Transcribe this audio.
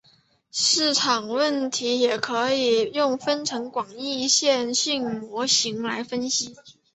市场问题也可以用分层广义线性模型来分析。